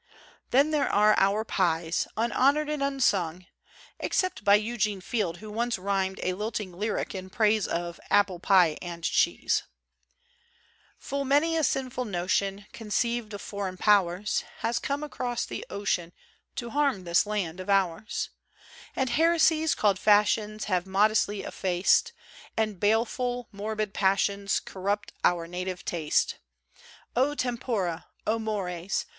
" Then there are our pies, unhonored and un sung, except by Eugene Field who once rimed a lilting lyric in praise of ' Apple Pie and Cheese ': Full many a sinful notion Conceived of foreign powers Has come across the ocean To harm this land of ours; And heresies called fashions Have modesty effaced, And baleful, morbid passions Corrupt our native taste. O tempora ! O mores